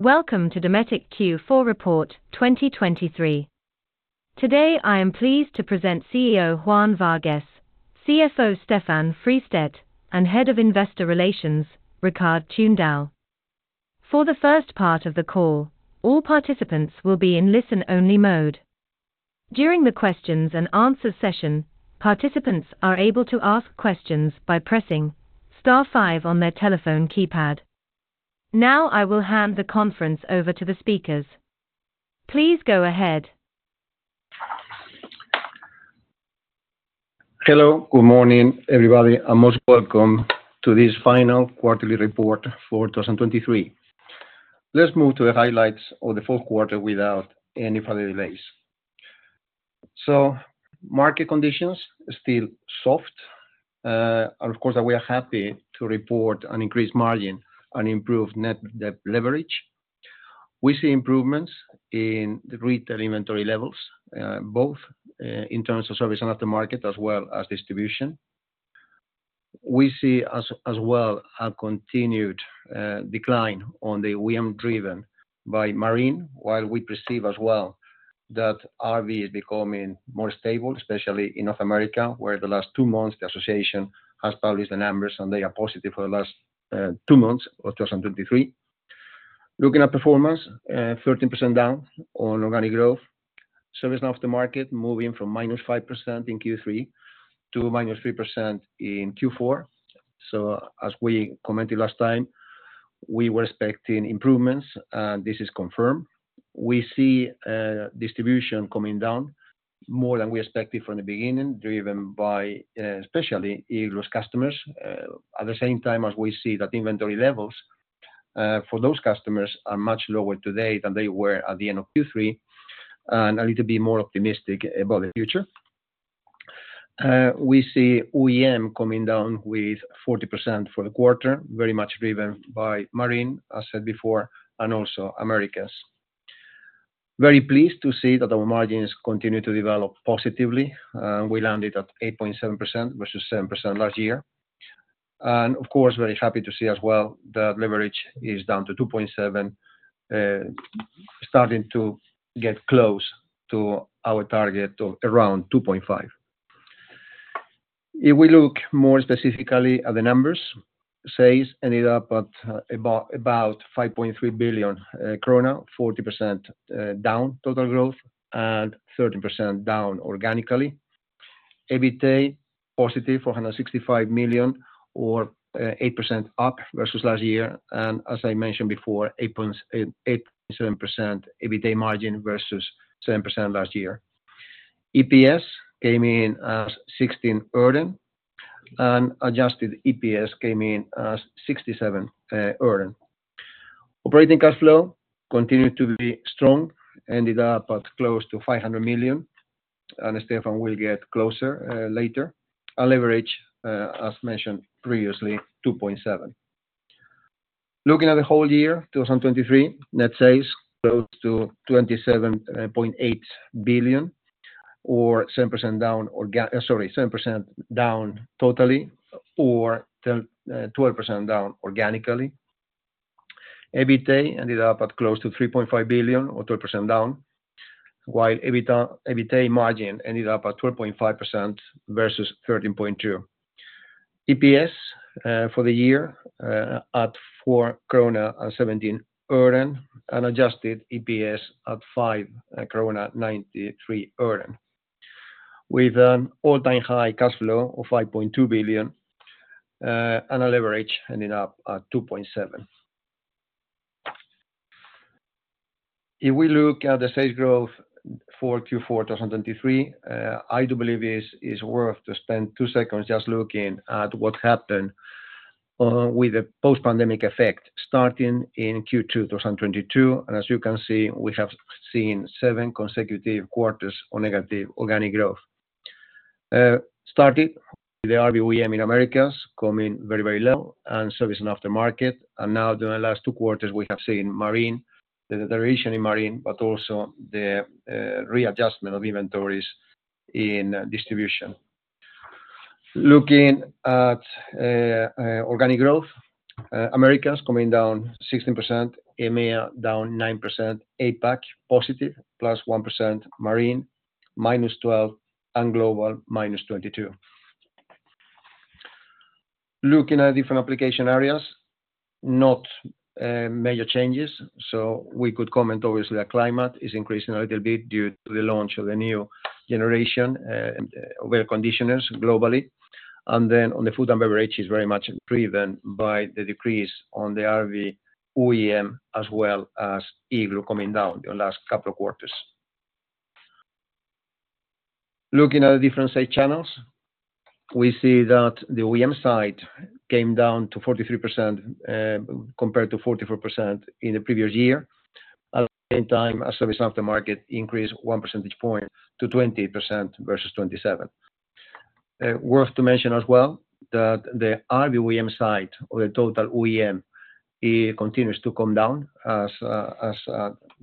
Welcome to Dometic Q4 report 2023. Today, I am pleased to present CEO Juan Vargues, CFO Stefan Fristedt, and Head of Investor Relations, Rikard Tunedal. For the first part of the call, all participants will be in listen-only mode. During the questions and answer session, participants are able to ask questions by pressing star five on their telephone keypad. Now, I will hand the conference over to the speakers. Please go ahead. Hello. Good morning, everybody, and most welcome to this final quarterly report for 2023. Let's move to the highlights of the fourth quarter without any further delays. Market conditions are still soft, and of course, we are happy to report an increased margin and improved net debt leverage. We see improvements in the retail inventory levels, both in terms of Service and Aftermarket, as well as distribution. We see, as well, a continued decline on the OEM, driven by Marine, while we perceive as well that RV is becoming more stable, especially in North America, where the last two months, the association has published the numbers, and they are positive for the last two months of 2023. Looking at performance, 13% down on organic growth. Service and Aftermarket, moving from -5% in Q3 to -3% in Q4. So as we commented last time, we were expecting improvements, and this is confirmed. We see, distribution coming down more than we expected from the beginning, driven by, especially, Igloo's customers. At the same time as we see that inventory levels, for those customers are much lower today than they were at the end of Q3, and a little bit more optimistic about the future. We see OEM coming down with 40% for the quarter, very much driven by Marine, as said before, and also Americas. Very pleased to see that our margins continue to develop positively. We landed at 8.7%, versus 7% last year. And of course, very happy to see as well that leverage is down to 2.7x, starting to get close to our target of around 2.5x. If we look more specifically at the numbers, sales ended up at about, about 5.3 billion krona, 40% down total growth and 13% down organically. EBITA +465 million, or 8% up versus last year. And as I mentioned before, 8.7% EBITA margin versus 7% last year. EPS came in as 0.16, and adjusted EPS came in as 0.67. Operating cash flow continued to be strong, ended up at close to 500 million, and Stefan will get closer later. Our leverage, as mentioned previously, 2.7x. Looking at the whole year, 2023, net sales close to 27.8 billion, or 7% down totally, or 10%-12% down organically. EBITA ended up at close to 3.5 billion or 12% down, while EBITA margin ended up at 12.5% versus 13.2%. EPS for the year at 4.17 krona, and adjusted EPS at 5.93 krona, with an all-time high cash flow of 5.2 billion, and our leverage ending up at 2.7x. If we look at the sales growth for Q4 2023, I do believe it is worth to spend two seconds just looking at what happened, with the post-pandemic effect, starting in Q2 2022. As you can see, we have seen seven consecutive quarters on negative organic growth. Started with the RV OEM in Americas, coming very, very low, and Service and Aftermarket. Now the last two quarters, we have seen Marine, the deterioration in Marine, but also the readjustment of inventories in distribution. Looking at organic growth, Americas coming down 16%, EMEA down 9%, APAC positive, +1%, Marine -12, and Global -22. Looking at different application areas, not major changes. So we could comment, obviously, that climate is increasing a little bit due to the launch of the new generation air conditioners globally. Then on the food and beverage is very much driven by the decrease on the RV OEM, as well as Igloo coming down the last couple of quarters. Looking at the different sales channels, we see that the OEM side came down to 43%, compared to 44% in the previous year. At the same time, our service aftermarket increased one percentage point to 20% versus 27%. Worth to mention as well, that the RV OEM side or the total OEM, it continues to come down as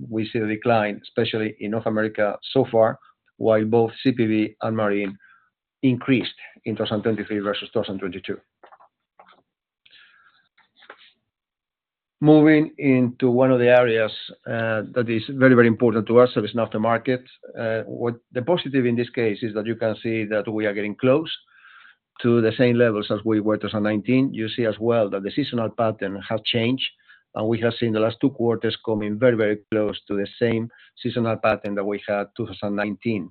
we see a decline, especially in North America so far, while both CPV and Marine increased in 2023 versus 2022. Moving into one of the areas, that is very, very important to us, Service and Aftermarket. The positive in this case is that you can see that we are getting close to the same levels as we were in 2019. You see as well that the seasonal pattern have changed, and we have seen the last two quarters coming very, very close to the same seasonal pattern that we had 2019.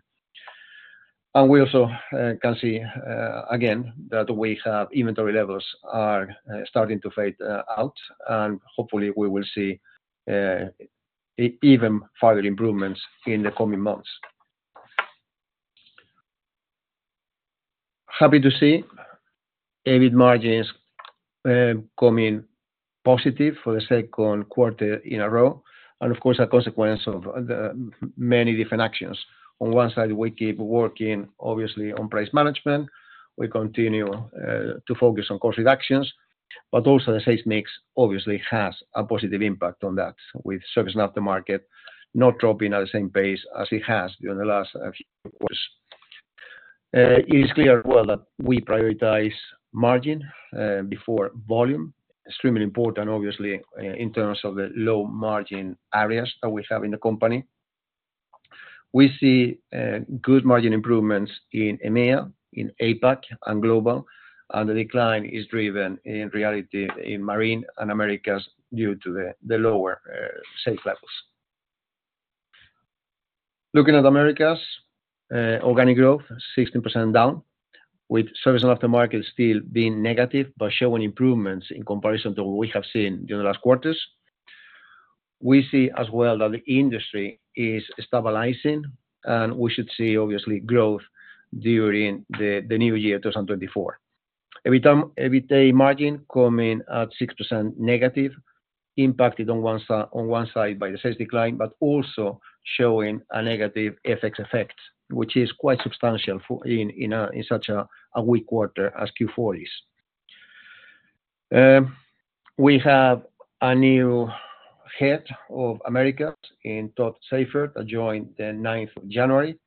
And we also can see again that we have inventory levels are starting to fade out, and hopefully we will see even further improvements in the coming months. Happy to see EBIT margins come in positive for the second quarter in a row, and of course, a consequence of the many different actions. On one side, we keep working, obviously, on price management. We continue to focus on cost reductions, but also the sales mix obviously has a positive impact on that, with Service and Aftermarket not dropping at the same pace as it has during the last few quarters. It is clear well, that we prioritize margin before volume. Extremely important, obviously, in terms of the low margin areas that we have in the company. We see good margin improvements in EMEA, in APAC, and Global, and the decline is driven in reality in Marine and Americas due to the lower sales levels. Looking at Americas, organic growth 16% down, with Service and Aftermarket still being negative, but showing improvements in comparison to what we have seen during the last quarters. We see as well, that the industry is stabilizing, and we should see, obviously, growth during the new year, 2024. EBITDA, EBITDA margin coming at 6% negative, impacted on one side, on one side by the sales decline, but also showing a negative FX effect, which is quite substantial in such a weak quarter as Q4 is. We have a new Head of Americas in Todd Seyfert, that joined the 9th January,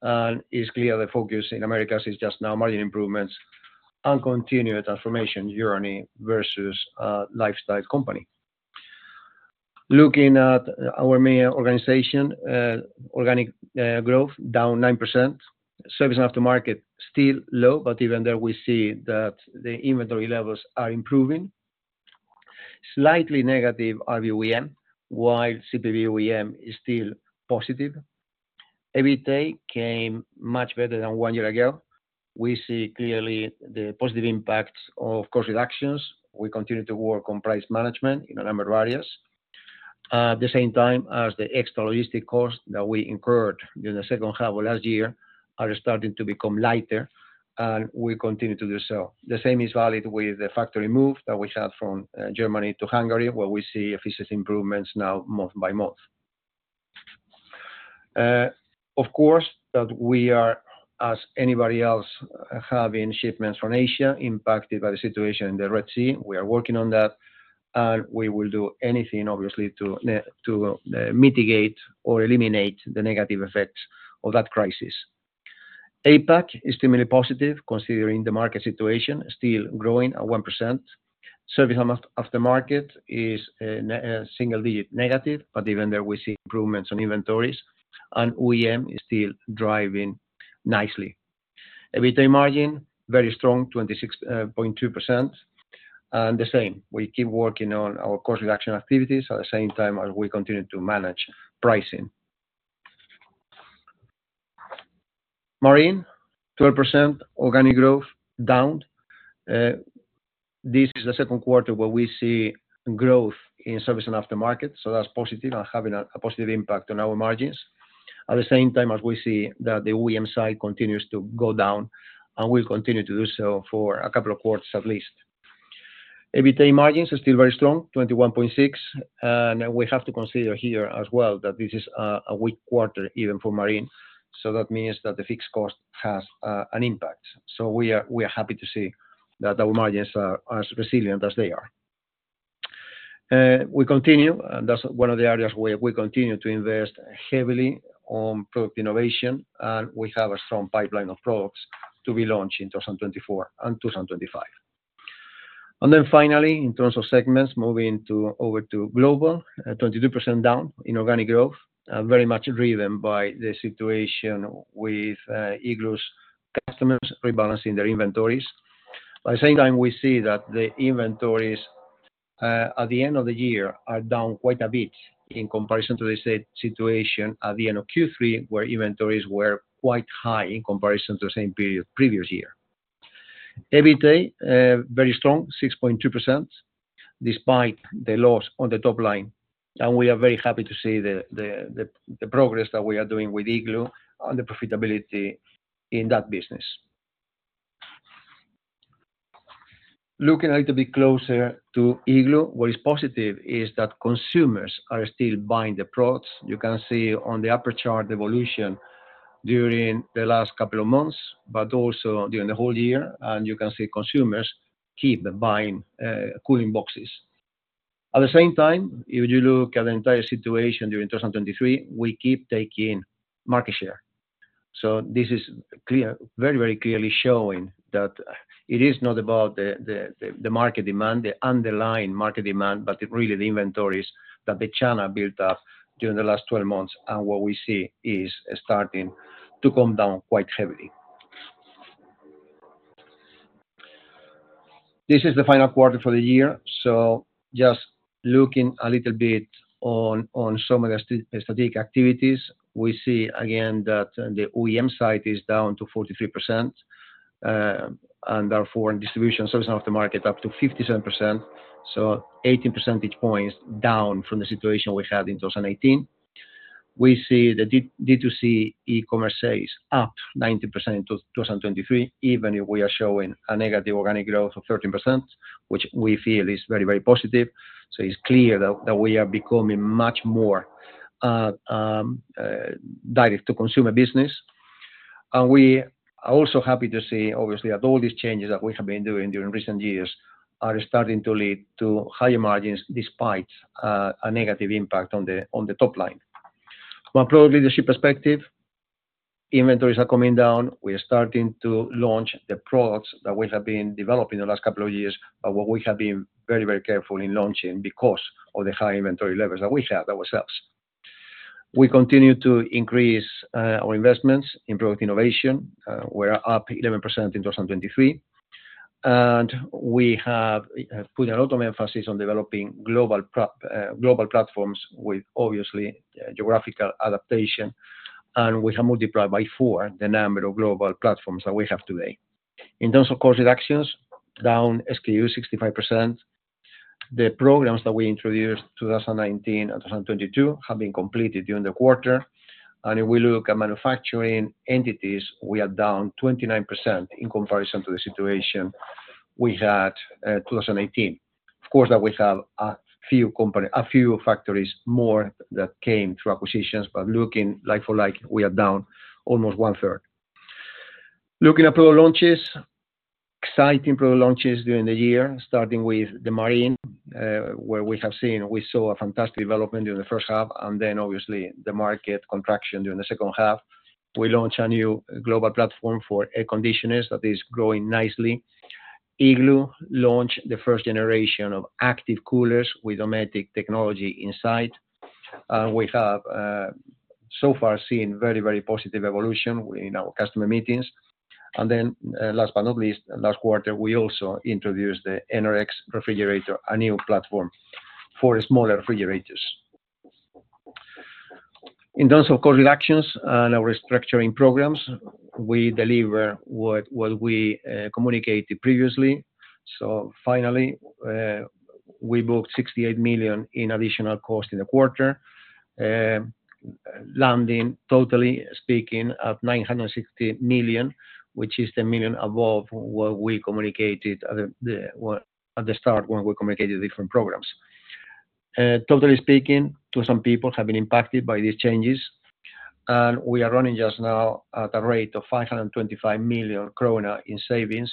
and it's clear the focus in Americas is just now margin improvements and continued transformation journey versus a lifestyle company. Looking at our main organization, organic growth down 9%. Service and Aftermarket still low, but even there, we see that the inventory levels are improving. Slightly negative RV OEM, while CPV OEM is still positive. EBITA came much better than one year ago. We see clearly the positive impacts of cost reductions. We continue to work on price management in a number of areas. At the same time as the extra logistic costs that we incurred during the second half of last year are starting to become lighter, and will continue to do so. The same is valid with the factory move that we had from Germany to Hungary, where we see efficient improvements now month by month. Of course, that we are, as anybody else, having shipments from Asia impacted by the situation in the Red Sea. We are working on that, and we will do anything, obviously, to mitigate or eliminate the negative effects of that crisis. APAC is similarly positive, considering the market situation, still growing at 1%. Service and Aftermarket is single-digit negative, but even there, we see improvements on inventories, and OEM is still driving nicely. EBITDA margin, very strong, 26.2%, and the same, we keep working on our cost reduction activities at the same time as we continue to manage pricing. Marine, 12% organic growth, down. This is the second quarter where we see growth in Service and Aftermarket, so that's positive and having a positive impact on our margins. At the same time, as we see that the OEM side continues to go down, and will continue to do so for a couple of quarters at least. EBITDA margins are still very strong, 21.6%, and we have to consider here as well, that this is a weak quarter, even for Marine. So that means that the fixed cost has an impact. So we are happy to see that our margins are as resilient as they are. We continue, and that's one of the areas where we continue to invest heavily on product innovation, and we have a strong pipeline of products to be launched in 2024 and 2025. And then finally, in terms of segments, moving to, over to Global. 22% down in organic growth, and very much driven by the situation with, Igloo's customers rebalancing their inventories. But at the same time, we see that the inventories, at the end of the year are down quite a bit in comparison to the situation at the end of Q3, where inventories were quite high in comparison to the same period previous year. EBITDA, very strong, 6.2%, despite the loss on the top line, and we are very happy to see the progress that we are doing with Igloo and the profitability in that business. Looking a little bit closer to Igloo, what is positive is that consumers are still buying the products. You can see on the upper chart, the evolution during the last couple of months, but also during the whole year, and you can see consumers keep buying, cooling boxes. At the same time, if you look at the entire situation during 2023, we keep taking market share. So this is clear, very, very clearly showing that it is not about the market demand, the underlying market demand, but really the inventories that the channel built up during the last 12 months, and what we see is starting to come down quite heavily. This is the final quarter for the year, so just looking a little bit on some of the strategic activities, we see again that the OEM side is down to 43%, and therefore, in distribution Service and Aftermarket, up to 57%, so 18 percentage points down from the situation we had in 2018. We see the D2C e-commerce sales up 90% in 2023, even if we are showing a negative organic growth of 13%, which we feel is very, very positive. So it's clear that we are becoming much more direct-to-consumer business. And we are also happy to see, obviously, that all these changes that we have been doing during recent years are starting to lead to higher margins, despite a negative impact on the top line. From a product leadership perspective, inventories are coming down. We are starting to launch the products that we have been developing in the last couple of years, but what we have been very, very careful in launching because of the high inventory levels that we had ourselves. We continue to increase our investments in product innovation. We're up 11% in 2023, and we have put a lot of emphasis on developing global platforms, with, obviously, geographical adaptation. We have multiplied by four the number of global platforms that we have today. In terms of cost reductions, down SKU 65%. The programs that we introduced 2019 and 2022 have been completed during the quarter. If we look at manufacturing entities, we are down 29% in comparison to the situation we had, 2018. Of course, that we have a few factories more that came through acquisitions, but looking like for like, we are down almost one third. Looking at product launches, exciting product launches during the year, starting with the Marine, where we have seen. We saw a fantastic development during the first half, and then obviously the market contraction during the second half. We launched a new global platform for air conditioners that is growing nicely. Igloo launched the first generation of active coolers with Dometic technology inside, and we have so far seen very, very positive evolution in our customer meetings. Then, last but not least, last quarter, we also introduced the NRX refrigerator, a new platform for smaller refrigerators. In terms of cost reductions and our restructuring programs, we deliver what we communicated previously. So finally, we booked 68 million in additional cost in the quarter, landing, totally speaking, at 960 million, which is 1 million above what we communicated at the start, when we communicated the different programs. Totally speaking, two thousand people have been impacted by these changes, and we are running just now at a rate of 525 million krona in savings.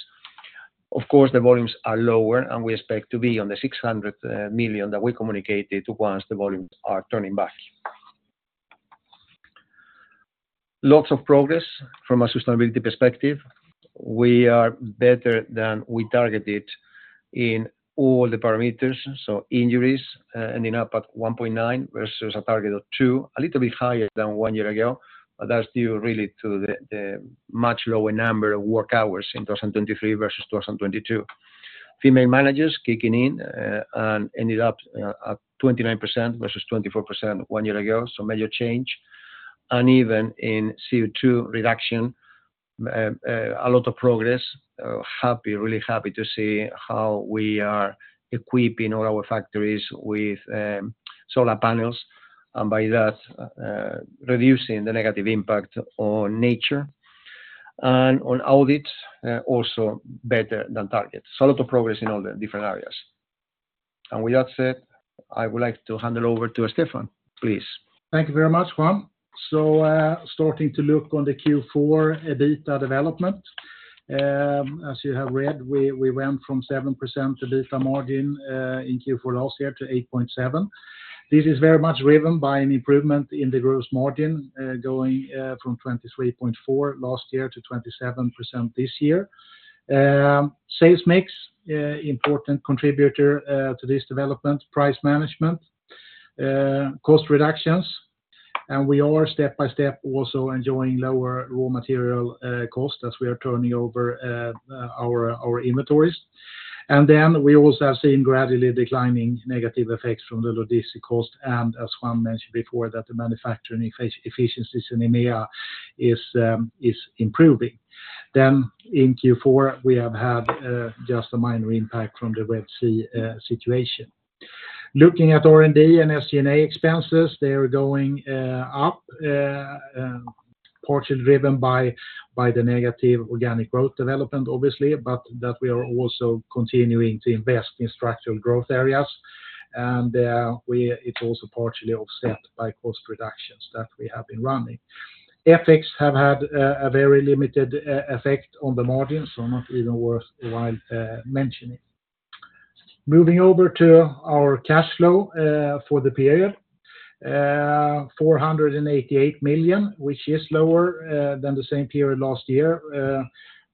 Of course, the volumes are lower, and we expect to be on the 600 million that we communicated once the volumes are turning back. Lots of progress from a sustainability perspective. We are better than we targeted in all the parameters, so injuries ending up at 1.9 versus a target of 2, a little bit higher than one year ago, but that's due really to the much lower number of work hours in 2023 versus 2022. Female managers kicking in and ended up at 29% versus 24% one year ago, so major change. And even in CO2 reduction, a lot of progress. Happy, really happy to see how we are equipping all our factories with solar panels, and by that, reducing the negative impact on nature. On audits, also better than targets. So a lot of progress in all the different areas. And with that said, I would like to hand it over to Stefan, please. Thank you very much, Juan. So, starting to look on the Q4 EBITDA development. As you have read, we went from 7% EBITDA margin in Q4 last year to 8.7%. This is very much driven by an improvement in the gross margin, going from 23.4% last year to 27% this year. Sales mix important contributor to this development. Price management, cost reductions, and we are step by step also enjoying lower raw material cost as we are turning over our inventories. And then we also have seen gradually declining negative effects from the logistic cost, and as Juan mentioned before, that the manufacturing efficiencies in EMEA is improving. Then in Q4, we have had just a minor impact from the Red Sea situation. Looking at R&D and SG&A expenses, they are going up, partially driven by the negative organic growth development, obviously, but that we are also continuing to invest in structural growth areas. And, it's also partially offset by cost reductions that we have been running. FX have had a very limited effect on the margin, so not even worth mentioning. Moving over to our cash flow for the period, 488 million, which is lower than the same period last year.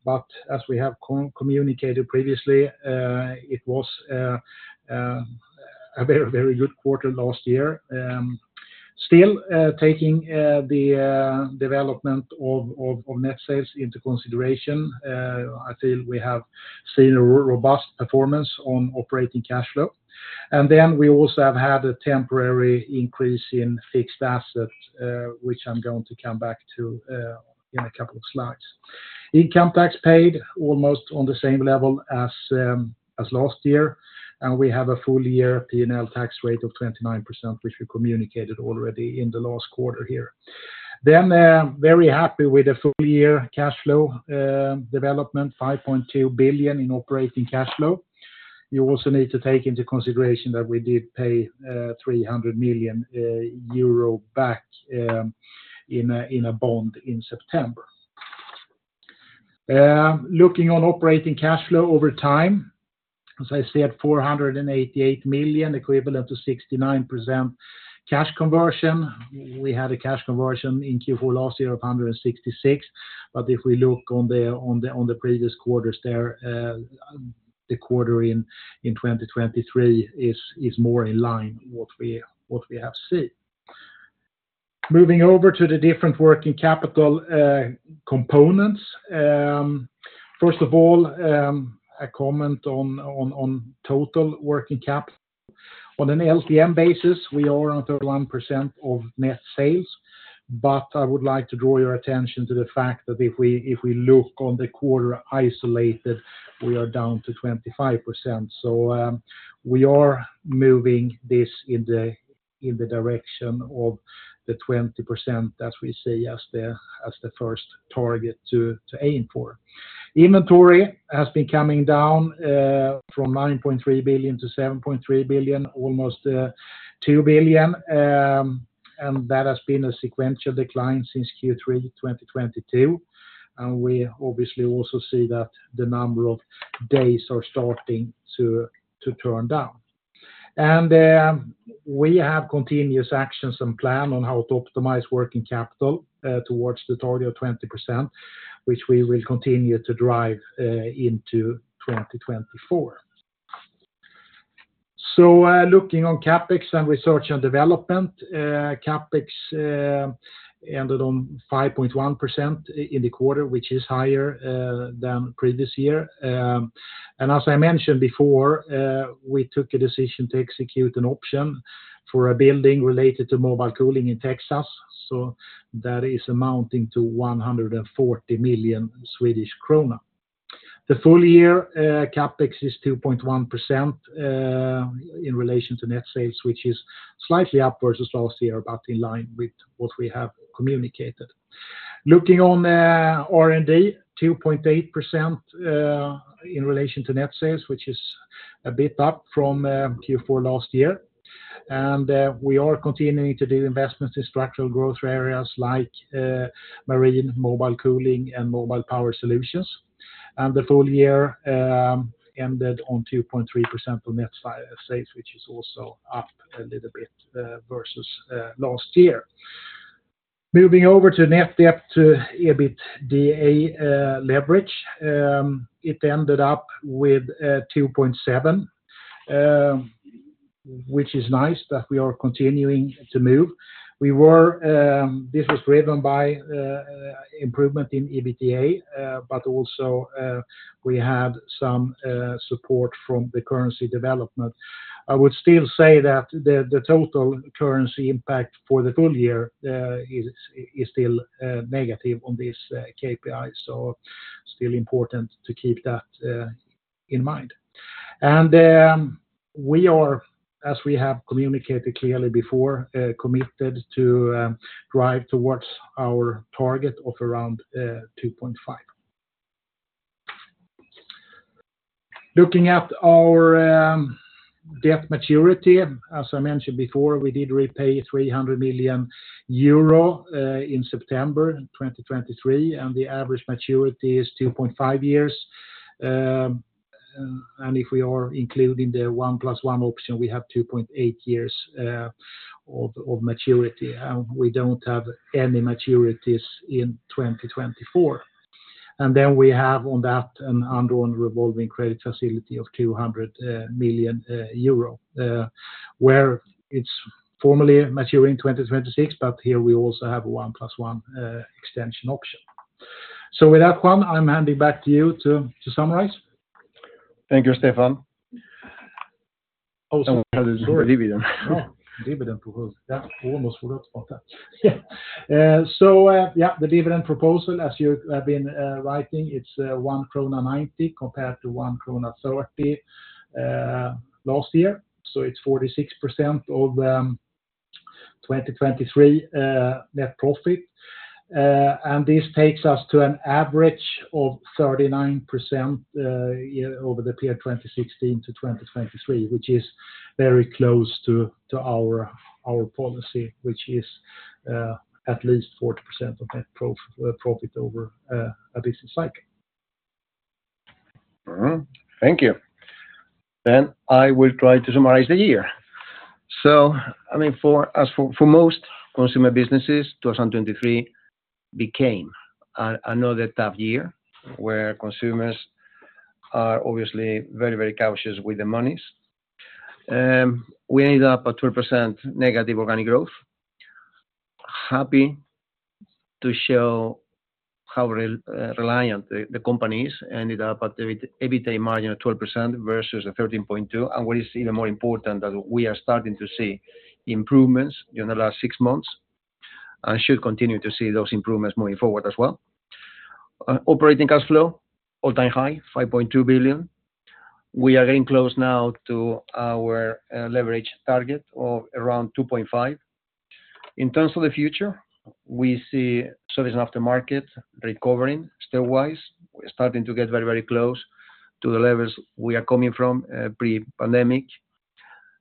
But as we have communicated previously, it was a very, very good quarter last year. Still, taking the development of net sales into consideration, I feel we have seen a robust performance on operating cash flow. Then we also have had a temporary increase in fixed assets, which I'm going to come back to, in a couple of slides. Income tax paid almost on the same level as, as last year, and we have a full year P&L tax rate of 29%, which we communicated already in the last quarter here. Very happy with the full year cash flow, development, 5.2 billion in operating cash flow. You also need to take into consideration that we did pay 300 million euro back, in a, in a bond in September. Looking on operating cash flow over time, as I said, 488 million, equivalent to 69% cash conversion. We had a cash conversion in Q4 last year of 166%, but if we look on the previous quarters there, the quarter in 2023 is more in line what we have seen. Moving over to the different working capital components. First of all, a comment on total working capital. On an LTM basis, we are on 31% of net sales, but I would like to draw your attention to the fact that if we look on the quarter isolated, we are down to 25%. So, we are moving this in the direction of the 20%, as we see as the first target to aim for. Inventory has been coming down from 9.3 billion to 7.3 billion, almost 2 billion, and that has been a sequential decline since Q3 2022. We obviously also see that the number of days are starting to turn down. We have continuous actions and plan on how to optimize working capital towards the target of 20%, which we will continue to drive into 2024. Looking on CapEx and research and development, CapEx ended on 5.1% in the quarter, which is higher than previous year. As I mentioned before, we took a decision to execute an option for a building related to Mobile Cooling in Texas, so that is amounting to 140 million Swedish krona. The full year, CapEx is 2.1% in relation to net sales, which is slightly upwards as last year, but in line with what we have communicated. Looking on, R&D, 2.8% in relation to net sales, which is a bit up from Q4 last year. We are continuing to do investments in structural growth areas like Marine, Mobile Cooling, and Mobile Power Solutions. The full year ended on 2.3% on net sales, which is also up a little bit versus last year. Moving over to net debt to EBITDA leverage, it ended up with 2.7x, which is nice, that we are continuing to move. We were. This was driven by improvement in EBITDA, but also we had some support from the currency development. I would still say that the total currency impact for the full year is still negative on this KPI, so still important to keep that in mind. We are, as we have communicated clearly before, committed to drive towards our target of around 2.5x. Looking at our debt maturity, as I mentioned before, we did repay 300 million euro in September 2023, and the average maturity is 2.5 years. If we are including the 1+1 option, we have 2.8 years of maturity, and we don't have any maturities in 2024. And then we have on that an undrawn revolving credit facility of 200 million euro, where it's formally maturing 2026, but here we also have a 1+1 extension option. So with that, Juan, I'm handing back to you to summarize. Thank you, Stefan. Oh, sorry. Dividend. Ah. Dividend proposal. Yeah. Almost forgot about that. So, yeah, the dividend proposal, as you have been writing, it's 1.90 krona compared to 1.30 krona last year. So it's 46% of the 2023 net profit. And this takes us to an average of 39% over the period 2016 to 2023, which is very close to our policy, which is at least 40% of net profit over a business cycle. Thank you. Then I will try to summarize the year. So I mean, for most consumer businesses, 2023 became another tough year, where consumers are obviously very, very cautious with their monies. We ended up at 12% negative organic growth. Happy to show how resilient the company is, ended up at the EBITA margin of 12% versus a 13.2%. And what is even more important, that we are starting to see improvements during the last six months, and should continue to see those improvements moving forward as well. Operating cash flow, all-time high, 5.2 billion. We are getting close now to our leverage target of around 2.5x. In terms of the future, we see Service and Aftermarket recovering stepwise. We're starting to get very, very close to the levels we are coming from pre-pandemic.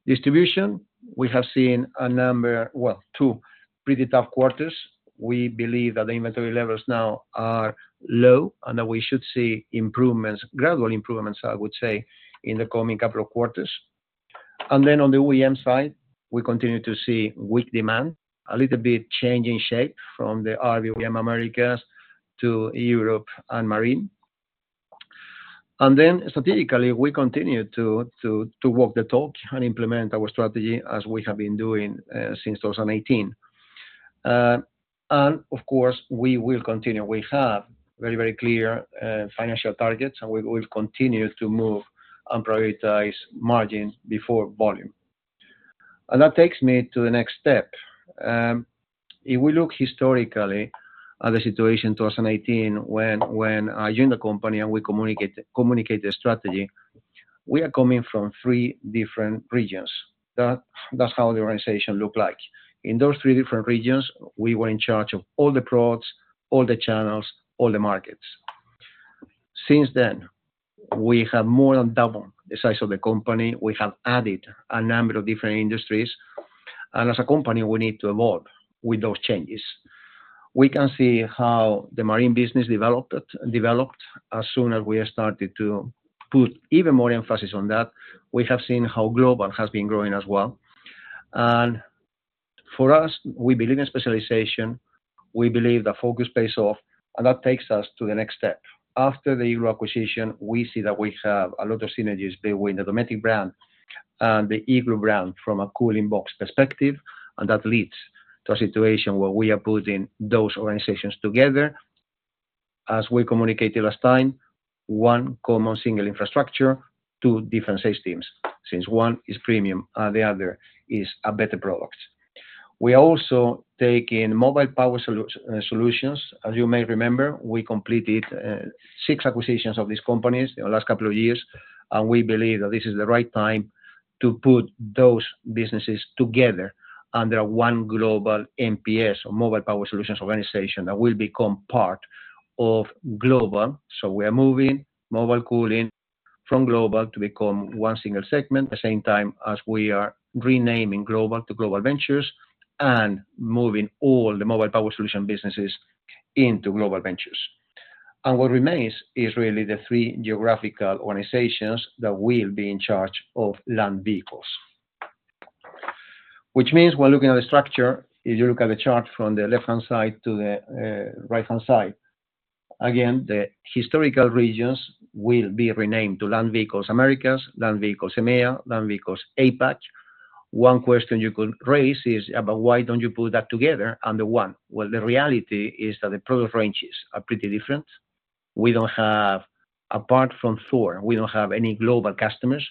Distribution, we have seen a number. Well, two pretty tough quarters. We believe that the inventory levels now are low, and that we should see improvements, gradual improvements, I would say, in the coming couple of quarters. And then on the OEM side, we continue to see weak demand, a little bit change in shape from the RV OEM Americas to Europe and Marine. And then strategically, we continue to walk the talk and implement our strategy as we have been doing since 2018. And of course, we will continue. We have very, very clear financial targets, and we will continue to move and prioritize margins before volume. And that takes me to the next step. If we look historically at the situation in 2018, when I joined the company and we communicate the strategy, we are coming from three different regions. That's how the organization looked like. In those three different regions, we were in charge of all the products, all the channels, all the markets. Since then, we have more than doubled the size of the company. We have added a number of different industries, and as a company, we need to evolve with those changes. We can see how the Marine business developed as soon as we started to put even more emphasis on that. We have seen how Global has been growing as well. And for us, we believe in specialization. We believe that focus pays off, and that takes us to the next step. After the Igloo acquisition, we see that we have a lot of synergies between the Dometic brand and the Igloo brand from a cooling box perspective, and that leads to a situation where we are putting those organizations together. As we communicated last time, one common single infrastructure, two different sales teams, since one is premium and the other is a better product. We are also taking Mobile Power Solutions. As you may remember, we completed six acquisitions of these companies in the last couple of years, and we believe that this is the right time to put those businesses together under one global MPS or Mobile Power Solutions organization that will become part of Global. So we are moving Mobile Cooling from Global to become one single segment, the same time as we are renaming Global to Global Ventures, and moving all the Mobile Power Solutions businesses into Global Ventures. And what remains is really the three geographical organizations that will be in charge of Land Vehicles. Which means when looking at the structure, if you look at the chart from the left-hand side to the right-hand side, again, the historical regions will be renamed to Land Vehicles Americas, Land Vehicles EMEA, Land Vehicles APAC. One question you could raise is about: why don't you put that together under one? Well, the reality is that the product ranges are pretty different. We don't have, apart from Thor, we don't have any global customers,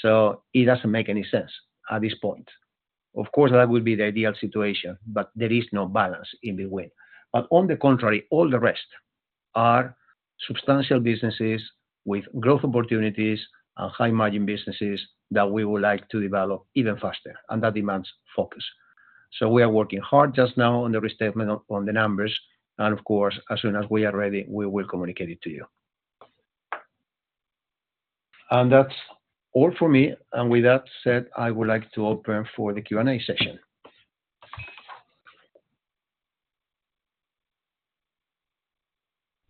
so it doesn't make any sense at this point. Of course, that would be the ideal situation, but there is no balance in between. But on the contrary, all the rest are substantial businesses with growth opportunities and high-margin businesses that we would like to develop even faster, and that demands focus. So we are working hard just now on the restatement on the numbers, and of course, as soon as we are ready, we will communicate it to you. That's all for me. With that said, I would like to open for the Q&A session.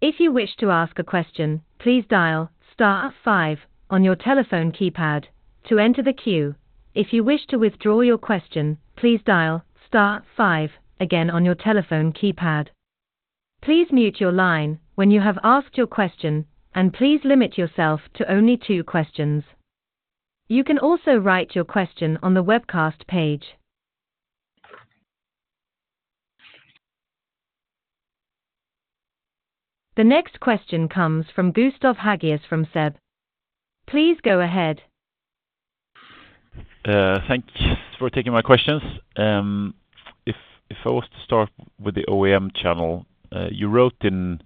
If you wish to ask a question, please dial star five on your telephone keypad to enter the queue. If you wish to withdraw your question, please dial star five again on your telephone keypad. Please mute your line when you have asked your question, and please limit yourself to only two questions. You can also write your question on the webcast page. The next question comes from Gustav Hagéus from SEB. Please go ahead. Thank you for taking my questions. If I was to start with the OEM channel, you wrote in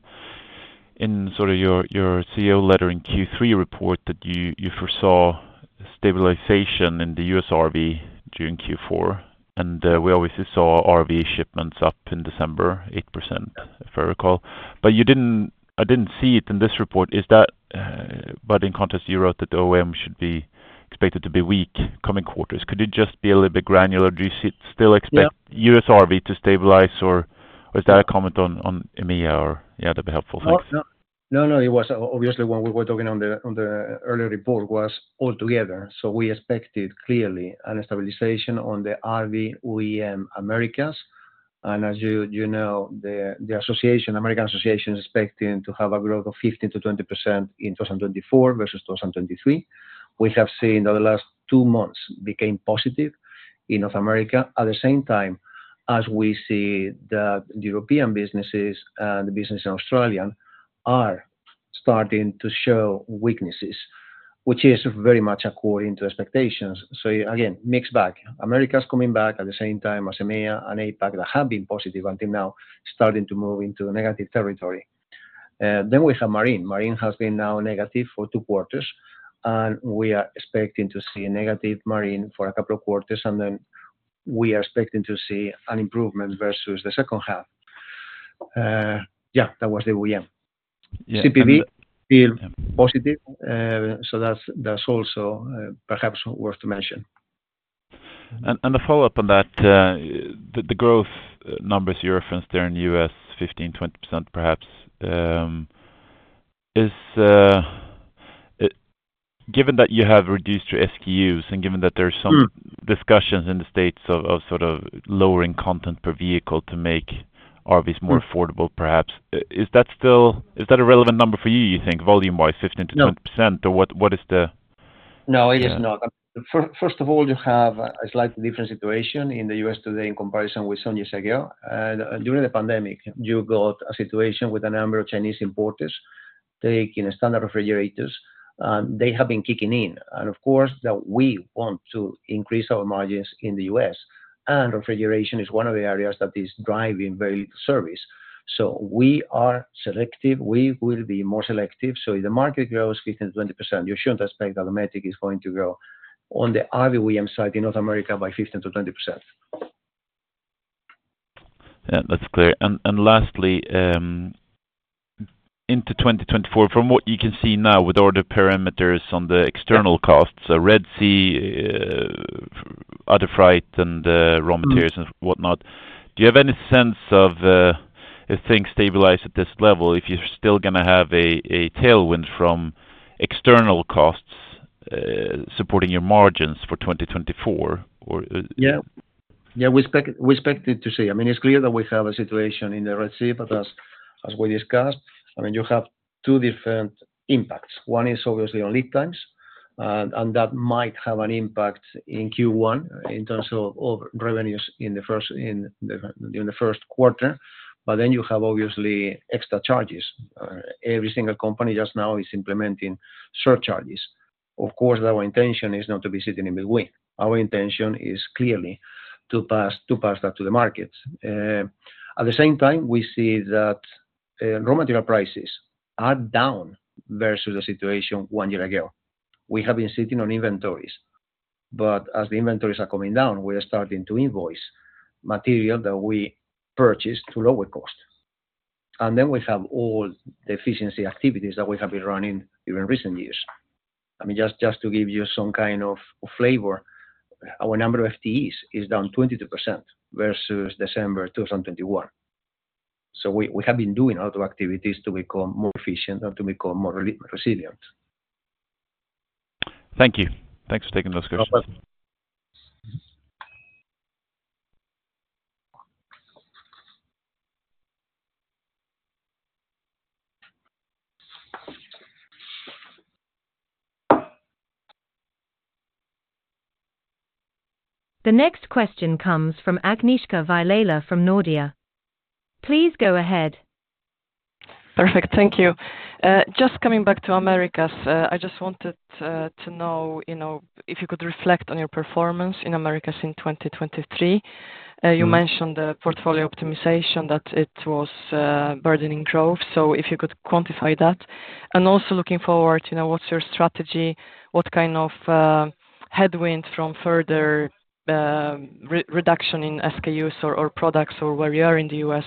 sort of your CEO letter in Q3 report that you foresaw stabilization in the U.S. RV during Q4, and we obviously saw RV shipments up in December, 8%, if I recall. But you didn't, I didn't see it in this report. Is that, but in context, you wrote that the OEM should be expected to be weak coming quarters. Could you just be a little bit granular? Do you still expect. Yeah. U.S. RV to stabilize, or was that a comment on EMEA, or? Yeah, that'd be helpful. Thanks. No, no. No, no, it was obviously when we were talking on the, on the earlier report, was all together. So we expected clearly a stabilization on the RV OEM Americas. And as you, you know, the association, American Association, is expecting to have a growth of 15%-20% in 2024 versus 2023. We have seen over the last two months became positive in North America. At the same time as we see the European businesses and the business in Australia are starting to show weaknesses, which is very much according to expectations. So again, mixed bag. America's coming back at the same time as EMEA and APAC, that have been positive until now, starting to move into negative territory. Then we have Marine. Marine has been now negative for two quarters, and we are expecting to see a negative Marine for a couple of quarters, and then we are expecting to see an improvement versus the second half. Yeah, that was the OEM. Yeah, and. CPV still positive, so that's, that's also perhaps worth to mention. And a follow-up on that, the growth numbers you referenced there in U.S., 15%-20%, perhaps, is given that you have reduced your SKUs, and given that there's some. Mm. Discussions in the States of sort of lowering content per vehicle to make RVs. Mm. More affordable, perhaps, is that still a relevant number for you, you think, volume-wise, 15%-20%? No. Or what is the. No, it is not. Yeah. First of all, you have a slightly different situation in the U.S. today in comparison with one year ago. During the pandemic, you got a situation with a number of Chinese importers taking standard refrigerators, and they have been kicking in. Of course, that we want to increase our margins in the U.S., and refrigeration is one of the areas that is driving very little service. So we are selective. We will be more selective, so if the market grows 15%-20%, you shouldn't expect that the metric is going to grow on the RV OEM side in North America by 15%-20%. Yeah, that's clear. And lastly, into 2024, from what you can see now with all the parameters on the external costs, so Red Sea, other freight and raw materials. Mm. And whatnot, do you have any sense of if things stabilize at this level, if you're still gonna have a tailwind from external costs supporting your margins for 2024, or? Yeah. We expect to see it. I mean, it's clear that we have a situation in the Red Sea, but as we discussed, I mean, you have two different impacts. One is obviously on lead times, and that might have an impact in Q1 in terms of revenues during the first quarter, but then you have obviously extra charges. Every single company just now is implementing surcharges. Of course, our intention is not to be sitting in between. Our intention is clearly to pass that to the markets. At the same time, we see that raw material prices are down versus the situation one year ago. We have been sitting on inventories, but as the inventories are coming down, we are starting to invoice material that we purchased to lower cost. And then we have all the efficiency activities that we have been running during recent years. I mean, just, just to give you some kind of flavor, our number of FTEs is down 22% versus December 2021. So we have been doing other activities to become more efficient and to become more resilient. Thank you. Thanks for taking those questions. No problem. The next question comes from Agnieszka Vilela from Nordea. Please go ahead. Perfect. Thank you. Just coming back to Americas, I just wanted to know, you know, if you could reflect on your performance in Americas in 2023. Mm. You mentioned the portfolio optimization, that it was burdening growth. So if you could quantify that. And also looking forward, you know, what's your strategy? What kind of headwinds from further reduction in SKUs or products or where we are in the U.S.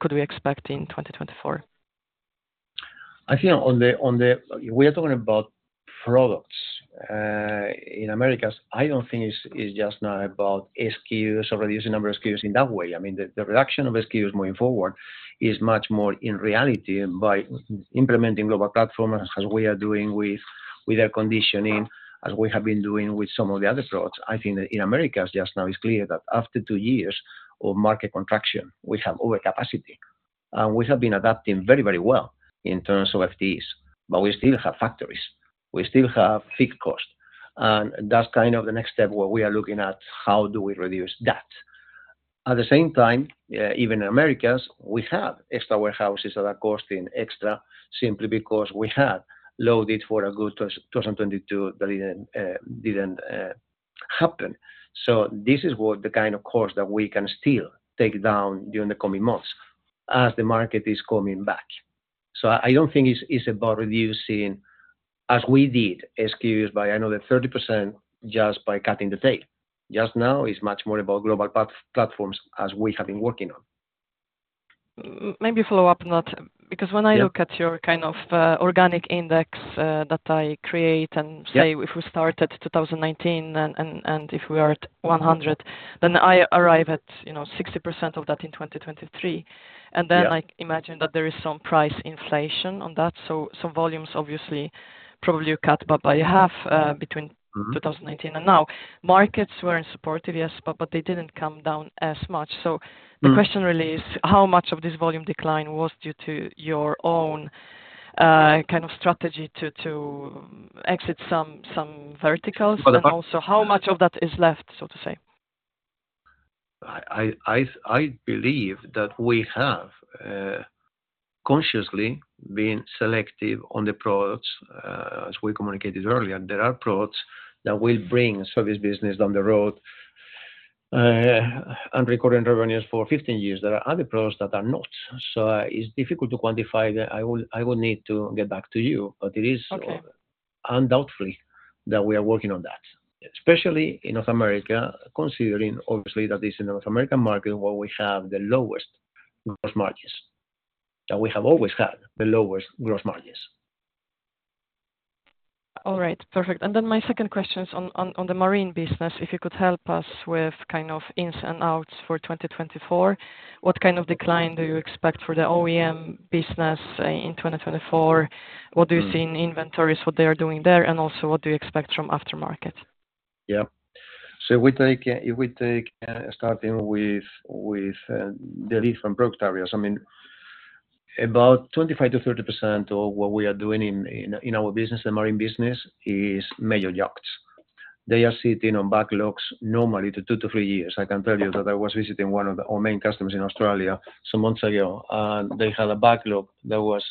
could we expect in 2024? I think we are talking about products in Americas. I don't think it's just not about SKUs or reducing the number of SKUs in that way. I mean, the reduction of SKUs moving forward is much more in reality by implementing global platform as we are doing with air conditioning, as we have been doing with some of the other products. I think in Americas, just now, it's clear that after two years of market contraction, we have overcapacity, and we have been adapting very, very well in terms of FTEs, but we still have factories, we still have fixed cost. And that's kind of the next step, where we are looking at how do we reduce that? At the same time, even in Americas, we have extra warehouses that are costing extra simply because we had loaded for a good 2022 that didn't happen. So this is what the kind of course that we can still take down during the coming months as the market is coming back. So I don't think it's about reducing, as we did, SKUs by another 30% just by cutting the tape. Just now, it's much more about global platforms as we have been working on. Maybe follow up on that. Because when I look at your kind of, organic index, that I create. Yeah. And say, if we start at 2019 and if we are at 100, then I arrive at, you know, 60% of that in 2023. Yeah. Then I imagine that there is some price inflation on that. So, so volumes obviously probably cut by, by half, between. Mm-hmm. 2018 and now. Markets were supportive, yes, but, but they didn't come down as much. Mm. The question really is, how much of this volume decline was due to your own kind of strategy to exit some verticals? But. Also, how much of that is left, so to say? I believe that we have consciously been selective on the products as we communicated earlier. There are products that will bring service business down the road and recurring revenues for 15 years. There are other products that are not. So it's difficult to quantify that. I will need to get back to you, but it is. Okay. Undoubtedly, that we are working on that, especially in North America, considering obviously, that is in the North American market where we have the lowest gross margins, and we have always had the lowest gross margins. All right. Perfect. And then my second question is on the Marine business. If you could help us with kind of ins and outs for 2024, what kind of decline do you expect for the OEM business in 2024? Mm. What do you see in inventories, what they are doing there, and also what do you expect from aftermarket? Yeah. So if we take, if we take, starting with, with, the different product areas, I mean, about 25%-30% of what we are doing in, in, in our business, the Marine business, is major yachts. They are sitting on backlogs normally two to three years. I can tell you that I was visiting one of our main customers in Australia some months ago, and they had a backlog that was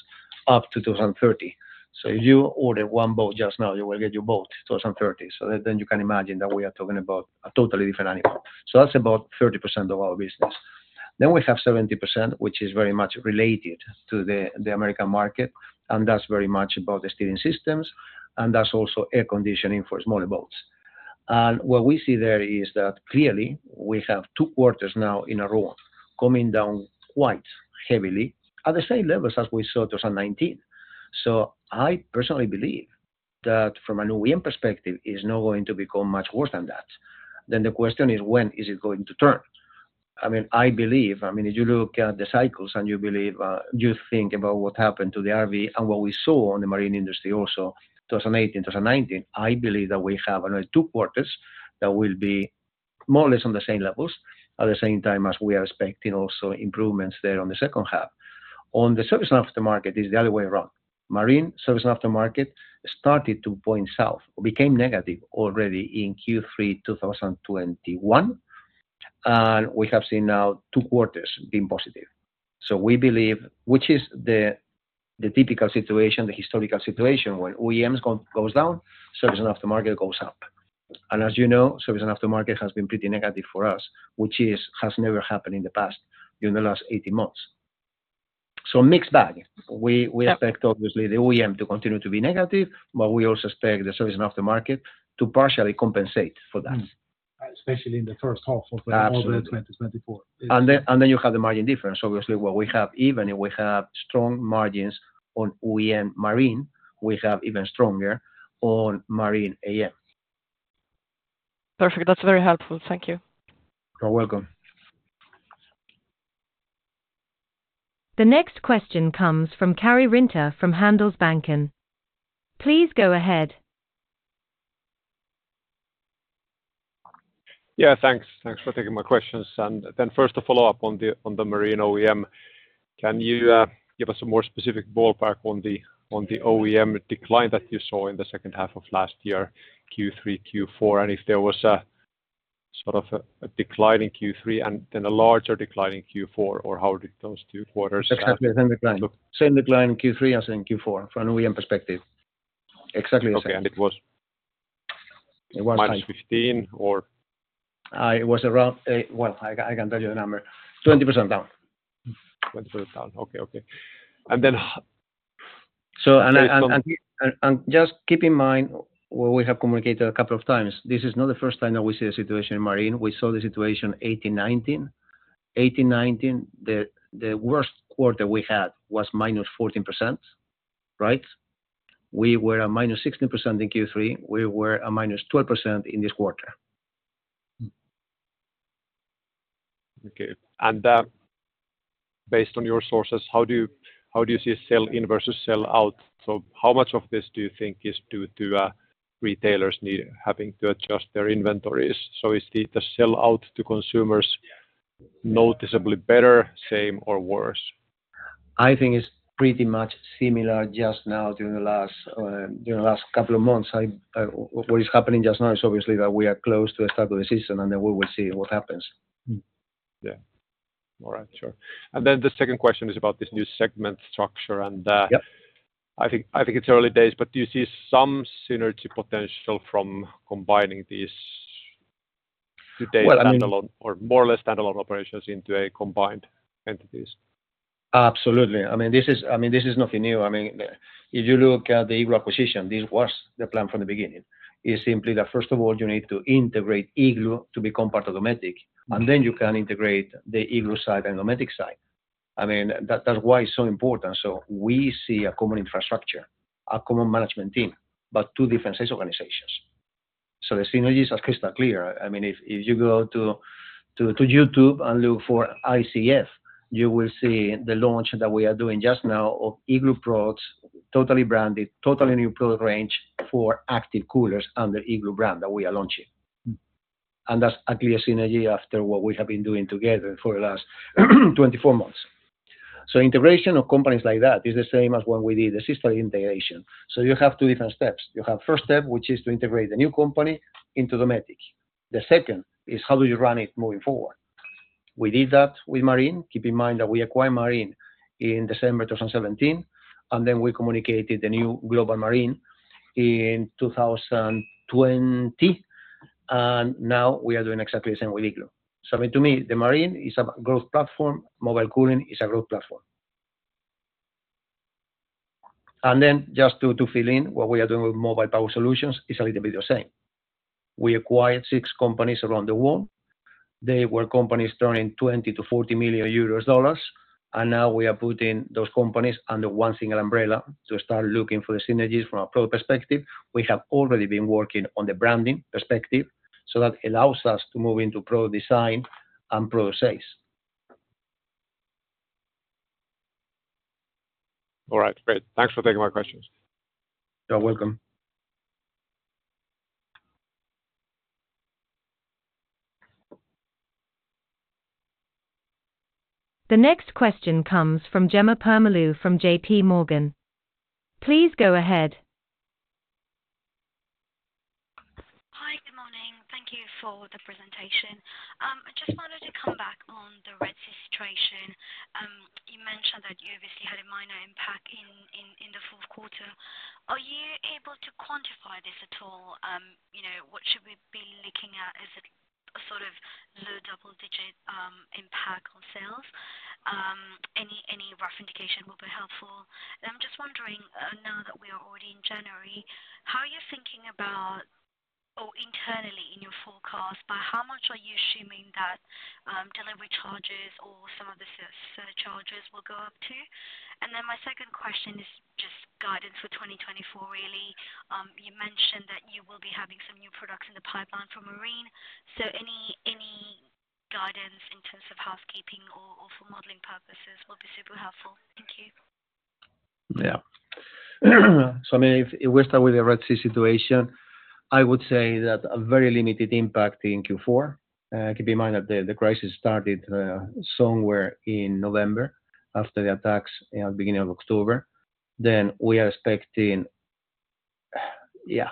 up to 2030. So if you order one boat just now, you will get your boat 2030. So then, then you can imagine that we are talking about a totally different animal. So that's about 30% of our business. Then we have 70%, which is very much related to the American market, and that's very much about the steering systems, and that's also air conditioning for smaller boats. And what we see there is that, clearly, we have two quarters now in a row coming down quite heavily at the same levels as we saw 2019. So I personally believe that from an OEM perspective, it's not going to become much worse than that. Then the question is: When is it going to turn? I mean, I believe, I mean, as you look at the cycles and you believe, you think about what happened to the RV and what we saw on the marine industry also, 2018, 2019, I believe that we have another two quarters that will be more or less on the same levels, at the same time as we are expecting also improvements there on the second half. On the service aftermarket, it's the other way around. Marine service aftermarket started to point south, became negative already in Q3 2021, and we have seen now two quarters being positive. So we believe, which is the, the typical situation, the historical situation, when OEMs go, goes down, Service and Aftermarket goes up. As you know, Service and Aftermarket has been pretty negative for us, which has never happened in the past during the last 18 months. So, mixed bag. Yeah. We expect, obviously, the OEM to continue to be negative, but we also expect the Service and Aftermarket to partially compensate for that. Especially in the first half of the. Absolutely. 2024. And then you have the margin difference. Obviously, what we have, even if we have strong margins on OEM Marine, we have even stronger on Marine AM. Perfect. That's very helpful. Thank you. You're welcome. The next question comes from Karri Rinta from Handelsbanken. Please go ahead. Yeah, thanks. Thanks for taking my questions. And then first, to follow up on the, on the Marine OEM, can you give us a more specific ballpark on the, on the OEM decline that you saw in the second half of last year, Q3, Q4, and if there was a, sort of a, a decline in Q3 and then a larger decline in Q4, or how did those two quarters- Exactly the same decline. Look. Same decline in Q3 as in Q4, from an OEM perspective. Exactly the same. Okay. It was. It was. -15 or? It was around, well, I can tell you the number, 20% down. 20% down. Okay, okay. And then. So. So. Just keep in mind what we have communicated a couple of times. This is not the first time that we see a situation in Marine. We saw the situation 2018, 2019. 2018, 2019, the worst quarter we had was -14%, right? We were at -16% in Q3. We were at -12% in this quarter. Okay. And based on your sources, how do you, how do you see sell in versus sell out? So how much of this do you think is due to retailers having to adjust their inventories? So is the sell out to consumers noticeably better, same, or worse? I think it's pretty much similar just now during the last couple of months. What is happening just now is obviously that we are close to the start of the season, and then we will see what happens. Mm. Yeah. All right, sure. And then the second question is about this new segment structure and. Yeah. I think, I think it's early days, but do you see some synergy potential from combining these. Well, I mean. Today's standalone or more or less standalone operations into a combined entities? Absolutely. I mean, this is nothing new. I mean, if you look at the Igloo acquisition, this was the plan from the beginning. It's simply that, first of all, you need to integrate Igloo to become part of Dometic, and then you can integrate the Igloo side and Dometic side. I mean, that's why it's so important. So we see a common infrastructure, a common management team, but two different sales organizations. So the synergies are crystal clear. I mean, if you go to YouTube and look for ICF, you will see the launch that we are doing just now of Igloo products, totally branded, totally new product range for active coolers under Igloo brand that we are launching. And that's actually a synergy after what we have been doing together for the last 24 months. So integration of companies like that is the same as when we did the system integration. So you have two different steps. You have first step, which is to integrate the new company into Dometic. The second is how do you run it moving forward? We did that with Marine. Keep in mind that we acquired Marine in December 2017, and then we communicated the new global Marine in 2020, and now we are doing exactly the same with Igloo. So I mean, to me, the Marine is a growth platform. Mobile Cooling is a growth platform. And then just to, to fill in, what we are doing with Mobile Power Solutions is a little bit the same. We acquired six companies around the world. They were companies turning EUR 20 million-40 million, and now we are putting those companies under one single umbrella to start looking for the synergies from a product perspective. We have already been working on the branding perspective, so that allows us to move into product design and product sales. All right, great. Thanks for taking my questions. You're welcome. The next question comes from Jemma Permalloo from JPMorgan. Please go ahead. Hi, good morning. Thank you for the presentation. I just wanted to come back on the Red Sea situation. You mentioned that you obviously had a minor impact in the fourth quarter. Are you able to quantify this at all? You know, what should we be looking at as a sort of low double-digit impact on sales? Any rough indication will be helpful. And I'm just wondering, now that we are already in January, how are you thinking about, or internally in your forecast, by how much are you assuming that delivery charges or some of the surcharges will go up to? And then my second question is just guidance for 2024, really. You mentioned that you will be having some new products in the pipeline for Marine. Any guidance in terms of housekeeping or for modeling purposes will be super helpful. Thank you. Yeah. So, I mean, if we start with the Red Sea situation, I would say that a very limited impact in Q4. Keep in mind that the crisis started somewhere in November, after the attacks, you know, beginning of October. Then we are expecting. Yeah,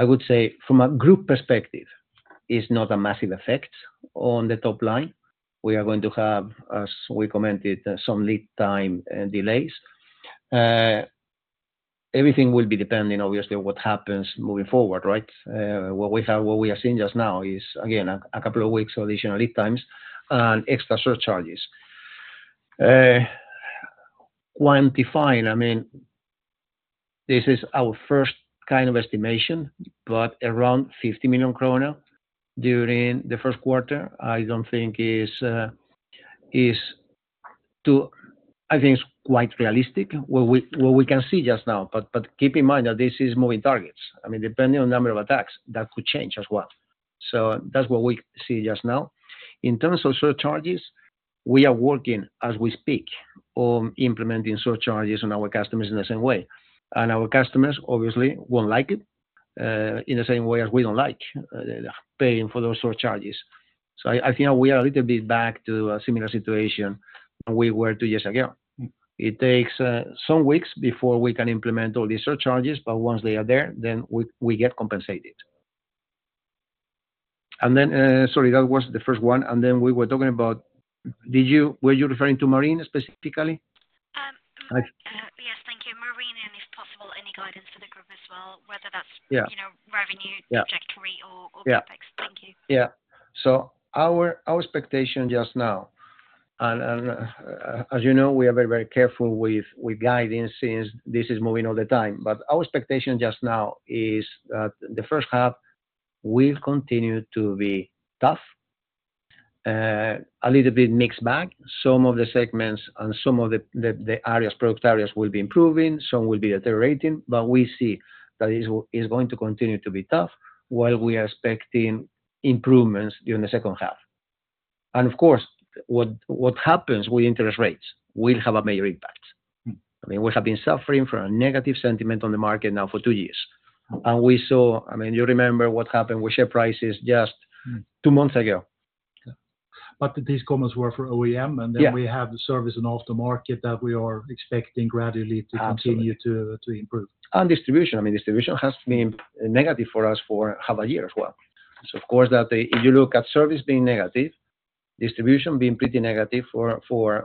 I would say from a group perspective, it's not a massive effect on the top line. We are going to have, as we commented, some lead time delays. Everything will be depending, obviously, on what happens moving forward, right? What we have, what we are seeing just now is, again, a couple of weeks additional lead times and extra surcharges. Quantifying, I mean, this is our first kind of estimation, but around 50 million kronor during the first quarter, I don't think is to, I think it's quite realistic, what we can see just now. But keep in mind that this is moving targets. I mean, depending on number of attacks, that could change as well. So that's what we see just now. In terms of surcharges, we are working as we speak on implementing surcharges on our customers in the same way. And our customers, obviously, won't like it in the same way as we don't like paying for those surcharges. So I think we are a little bit back to a similar situation than we were two years ago. It takes some weeks before we can implement all these surcharges, but once they are there, then we get compensated. And then, sorry, that was the first one, and then we were talking about, did you, were you referring to Marine specifically? Yes, thank you. Marine, and if possible, any guidance for the group as well, whether that's. Yeah. You know, revenue. Yeah. Trajectory or CapEx. Yeah. Thank you. Yeah. So our expectation just now, and as you know, we are very careful with guidance since this is moving all the time. But our expectation just now is that the first half will continue to be tough, a little bit mixed bag. Some of the segments and some of the areas, product areas will be improving, some will be deteriorating, but we see that it's going to continue to be tough while we are expecting improvements during the second half. And of course, what happens with interest rates will have a major impact. Mm. I mean, we have been suffering from a negative sentiment on the market now for two years. Mm. And we saw, I mean, you remember what happened with share prices just. Mm. Two months ago. Yeah. But these comments were for OEM. Yeah. And then we have the Service and Aftermarket that we are expecting gradually. Absolutely. To continue to, to improve. Distribution. I mean, distribution has been negative for us for half a year as well. So of course, that the, if you look at service being negative, distribution being pretty negative for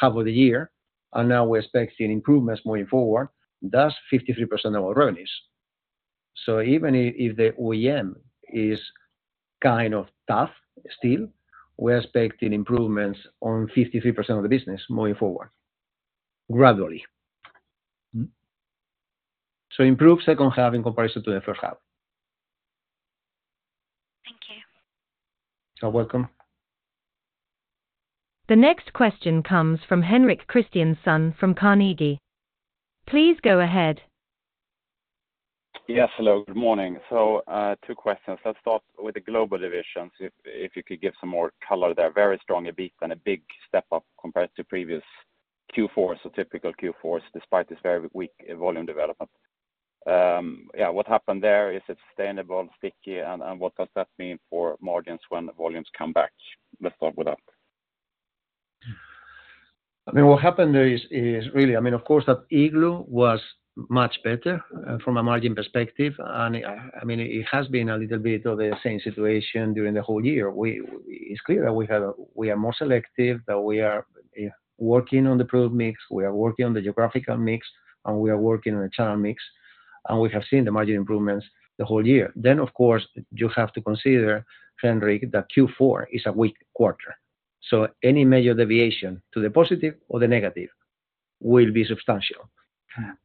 half of the year, and now we're expecting improvements moving forward, that's 53% of our earnings. So even if the OEM is kind of tough still, we're expecting improvements on 53% of the business moving forward, gradually. Mm-hmm. Improved second half in comparison to the first half. Thank you. You are welcome. The next question comes from Henrik Christiansson from Carnegie. Please go ahead. Yes, hello. Good morning. So, two questions. Let's start with the global divisions. If you could give some more color there. Very strong EBITA and a big step up compared to previous Q4, so typical Q4s despite this very weak volume development. Yeah, what happened there? Is it sustainable, sticky, and what does that mean for margins when the volumes come back? Let's start with that. I mean, what happened there is really, I mean, of course, that Igloo was much better from a margin perspective. And, I mean, it has been a little bit of the same situation during the whole year. It's clear that we are more selective, that we are working on the product mix, we are working on the geographical mix, and we are working on the channel mix, and we have seen the margin improvements the whole year. Then, of course, you have to consider, Henrik, that Q4 is a weak quarter, so any major deviation to the positive or the negative will be substantial.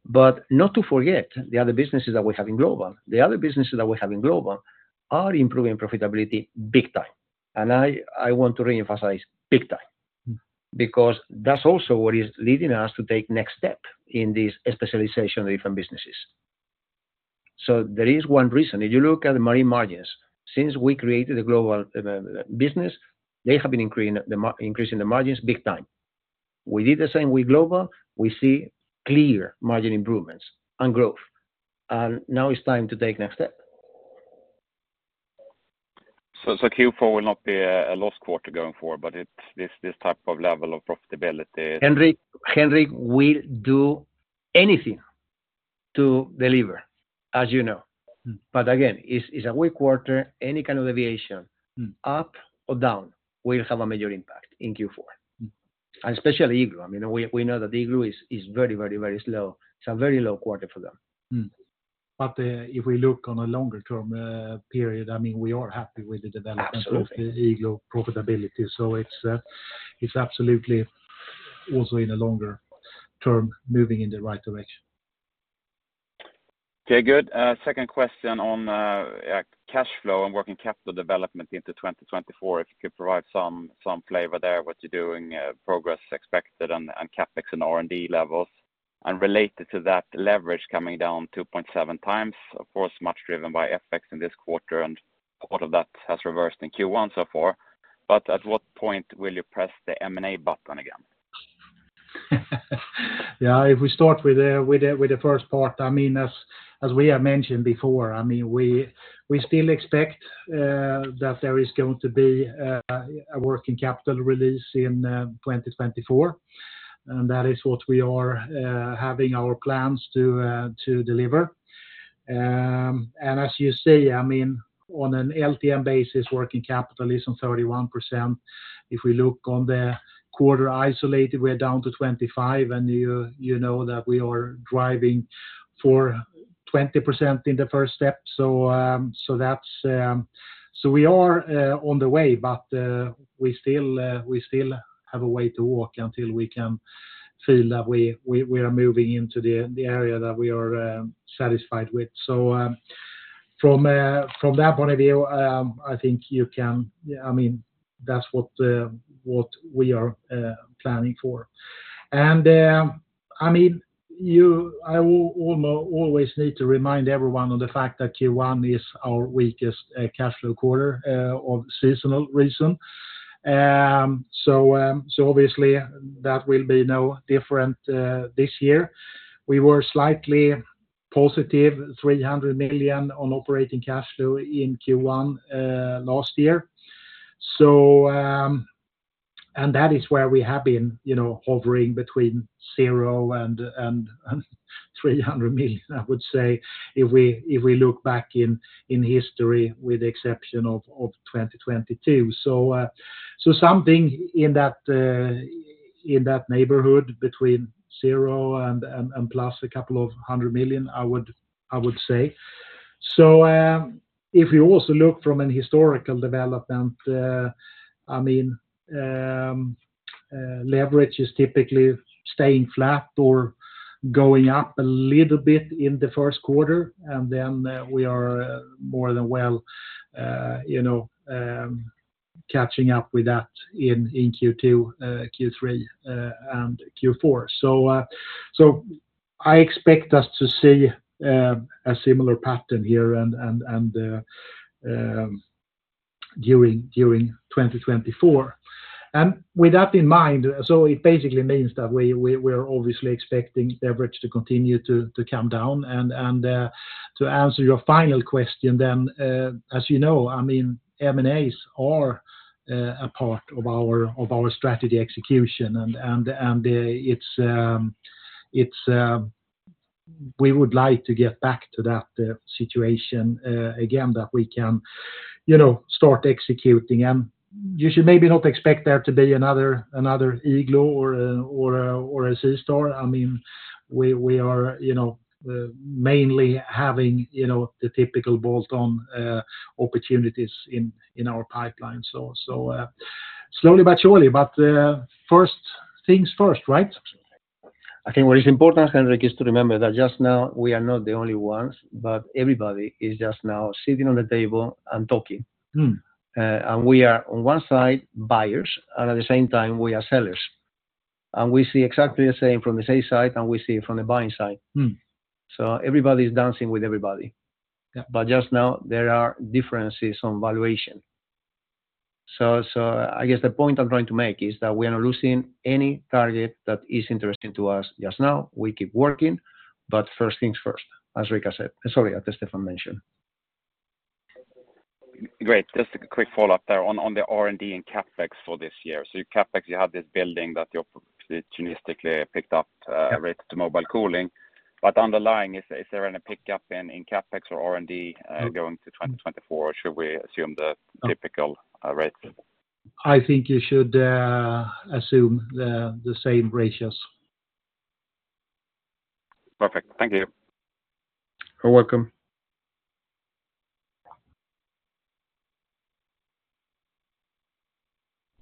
But not to forget, the other businesses that we have in global. The other businesses that we have in global are improving profitability big time. And I want to reemphasize, big time, because that's also what is leading us to take next step in this specialization of different businesses. So there is one reason. If you look at the Marine margins, since we created a global business, they have been increasing the margins big time. We did the same with global. We see clear margin improvements and growth, and now it's time to take next step. So, Q4 will not be a lost quarter going forward, but it's this type of level of profitability? Henrik, Henrik, we do anything to deliver, as you know. Mm. But again, it's a weak quarter. Any kind of deviation. Mm. Up or down will have a major impact in Q4. Mm. Especially Igloo. I mean, we know that Igloo is very, very, very slow. It's a very low quarter for them. Mm. If we look on a longer term period, I mean, we are happy with the development. Absolutely. Of the Igloo profitability. So it's, it's absolutely also in a longer term, moving in the right direction. Okay, good. Second question on cash flow and working capital development into 2024. If you could provide some, some flavor there, what you're doing, progress expected on, and CapEx and R&D levels. And related to that, leverage coming down 2.7x, of course, much driven by FX in this quarter, and a lot of that has reversed in Q1 so far. But at what point will you press the M&A button again? Yeah, if we start with the first part, I mean, as we have mentioned before, I mean, we still expect that there is going to be a working capital release in 2024, and that is what we are having our plans to deliver. And as you say, I mean, on an LTM basis, working capital is on 31%. If we look on the quarter isolated, we're down to 25%, and you know that we are driving for 20% in the first step. So, that's so we are on the way, but we still have a way to walk until we can feel that we are moving into the area that we are satisfied with. So, from that point of view, I think I mean, that's what we are planning for. And, I mean, I will always need to remind everyone on the fact that Q1 is our weakest cash flow quarter of seasonal reason. So, so obviously, that will be no different this year. We were slightly positive, 300 million on operating cash flow in Q1 last year. So, and that is where we have been, you know, hovering between 0 and 300 million, I would say, if we look back in history, with the exception of 2022. So, so something in that neighborhood between 0 and plus a couple of hundred million, I would say. So, if you also look from an historical development, I mean, leverage is typically staying flat or going up a little bit in the first quarter, and then, we are more than well, you know, catching up with that in Q2, Q3, and Q4. So, I expect us to see a similar pattern here and during 2024. And with that in mind, so it basically means that we, we're obviously expecting leverage to continue to come down. And to answer your final question then, as you know, I mean, M&As are a part of our strategy execution. We would like to get back to that situation again that we can, you know, start executing. You should maybe not expect there to be another Igloo or a SeaStar. I mean, we are, you know, mainly having, you know, the typical bolt-on opportunities in our pipeline. So, slowly but surely, but first things first, right? I think what is important, Henrik, is to remember that just now we are not the only ones, but everybody is just now sitting on the table and talking. Hmm. We are on one side, buyers, and at the same time, we are sellers. We see exactly the same from the sales side, and we see it from the buying side. Hmm. Everybody's dancing with everybody. Yeah. But just now there are differences on valuation. So, so I guess the point I'm trying to make is that we are not losing any target that is interesting to us just now. We keep working, but first things first, as Rikard said, sorry, as Stefan mentioned. Great. Just a quick follow-up there. On the R&D and CapEx for this year. So your CapEx, you have this building that you opportunistically picked up, related to Mobile Cooling. But underlying, is there any pickup in CapEx or R&D, going to 2024, or should we assume the typical rate? I think you should assume the same ratios. Perfect. Thank you. You're welcome.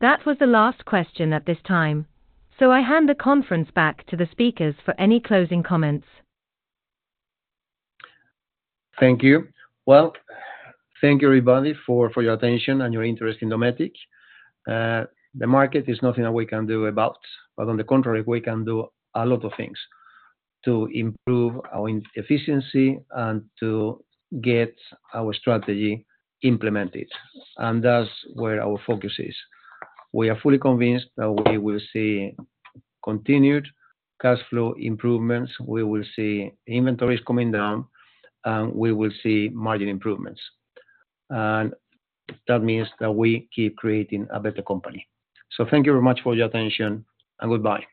That was the last question at this time, so I hand the conference back to the speakers for any closing comments. Thank you. Well, thank you, everybody, for your attention and your interest in Dometic. The market is nothing that we can do about, but on the contrary, we can do a lot of things to improve our efficiency and to get our strategy implemented, and that's where our focus is. We are fully convinced that we will see continued cash flow improvements, we will see inventories coming down, and we will see margin improvements. And that means that we keep creating a better company. So thank you very much for your attention, and goodbye.